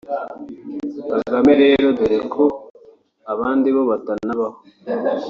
Kagame rero doreko abandi bo batanabaho